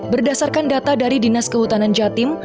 berdasarkan data dari dinas kehutanan jatim